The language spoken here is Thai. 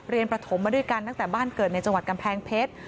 ประถมมาด้วยกันตั้งแต่บ้านเกิดในจังหวัดกำแพงเพชร